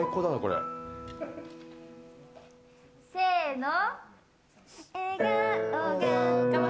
せの！